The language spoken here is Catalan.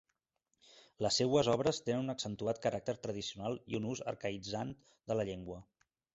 Les seues obres tenen un accentuat caràcter tradicional i un ús arcaïtzant de la llengua.